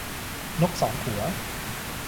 นกสองหัว